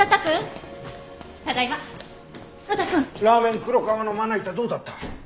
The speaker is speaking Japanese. ラーメン黒川のまな板どうだった？